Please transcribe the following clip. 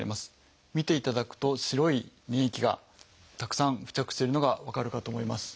見ていただくと白い粘液がたくさん付着してるのが分かるかと思います。